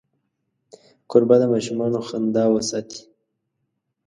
کوربه د ماشومانو خندا وساتي.